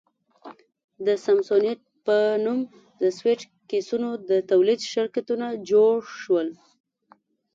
د سامسونیټ په نوم د سویټ کېسونو د تولید شرکتونه جوړ شول.